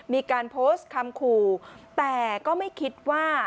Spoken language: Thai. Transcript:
มีการโพสต์คำขู่แต่ก็ไม่คิดว่า